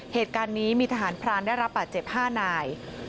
เหตุการณ์นี้มีทหารพรานได้รับบาดเจ็บ๕นาย